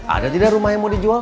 ada tidak rumah yang mau dijual